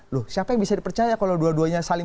loh siapa yang bisa dipercaya kalau dua duanya saling